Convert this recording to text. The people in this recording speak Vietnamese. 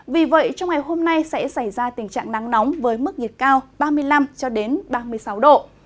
vì vậy trong ngày hôm nay sẽ xảy ra tình trạng nắng nóng với mức nhiệt cao ba mươi năm ba mươi sáu độ